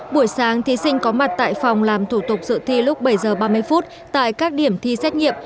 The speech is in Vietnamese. buổi sáng thí sinh có mặt tại phòng làm thủ tục dự thi lúc bảy h ba mươi phút tại các điểm thi xét nghiệm